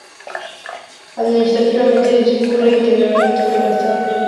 Administrativamente, discurre íntegramente por el estado de Baviera.